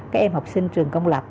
các em học sinh trường công lập